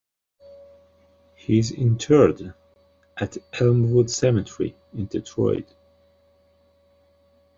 He is interred at Elmwood Cemetery, in Detroit.